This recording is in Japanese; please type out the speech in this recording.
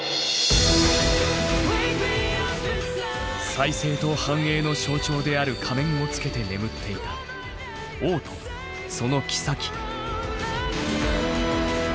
再生と繁栄の象徴である仮面をつけて眠っていた王とその妃。